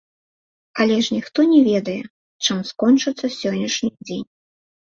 Але ж ніхто не ведае, чым скончыцца сённяшні дзень.